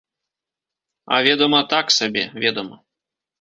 А, ведама, так сабе, ведама.